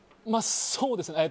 そうですね。